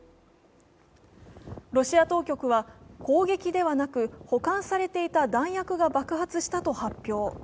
ロシア当局は、攻撃ではなく保管されていた弾薬が爆発したと発表。